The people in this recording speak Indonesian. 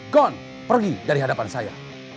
gon pergi dari hadapan saya